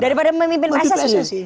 daripada memimpin pssi